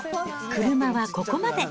車はここまで。